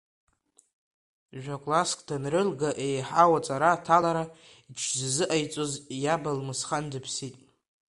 Жәакласск данрылга еиҳау аҵара аҭалара иҽшазыҟаиҵоз иаб Алмысхан дыԥсит.